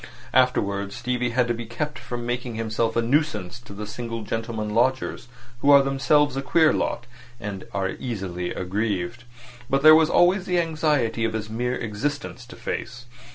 Afterwards Stevie had to be kept from making himself a nuisance to the single gentlemen lodgers, who are themselves a queer lot, and are easily aggrieved. And there was always the anxiety of his mere existence to face.